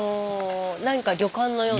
なんか旅館のような。